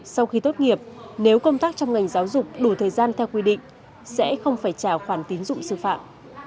sau khi tốt nghiệp nếu công tác trong ngành giáo dục đủ thời gian theo quy định sẽ không phải trả khoản tín dụng sư phạm